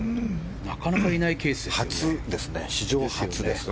なかなかいないケースですね。